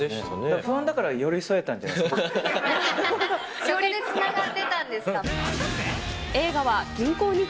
不安だからより添えたんじゃないんですか。